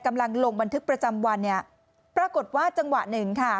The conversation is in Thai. กำลังลงบันทึกประจำวันเนี่ยปรากฏว่าจังหวะ๑ค่ะ